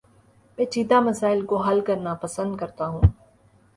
پیچیدہ مسائل کو حل کرنا پسند کرتا ہوں